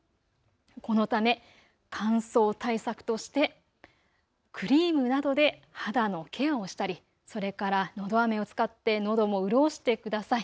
このため、乾燥対策としてクリームなどで肌のケアをしたりそれから、のどあめを使ってのども潤してください。